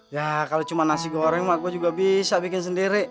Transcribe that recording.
ya kalau cuma nasi goreng aku juga bisa bikin sendiri